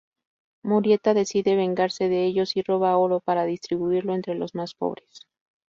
Murieta decide vengarse de ellos y roba oro para distribuirlo entre los más pobres.